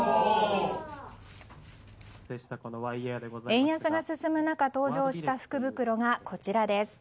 円安が進む中登場した福袋がこちらです。